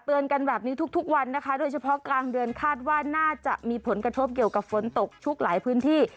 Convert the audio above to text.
กันแบบนี้ทุกวันนะคะโดยเฉพาะกลางเดือนคาดว่าน่าจะมีผลกระทบเกี่ยวกับฝนตกชุกหลายพื้นที่